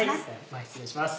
前失礼します。